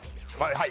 はい。